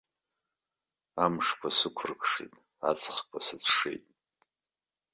Амшқәа сықәрыкшеит, аҵхқәа сыцәшеит.